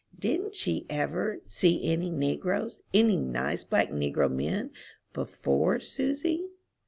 "Didn't she ever see any negroes any nice black negro men before, Susy?"